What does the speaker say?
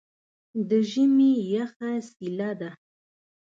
د ژمي یخه څیله ده.